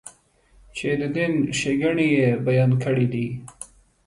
چې د دین ښېګڼې یې بیان کړې دي.